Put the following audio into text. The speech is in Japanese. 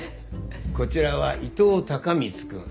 こちらは伊藤孝光君。